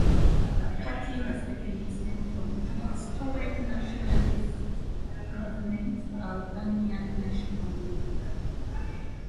The party has taken its name from a historic nationalist movement, Albanian National League.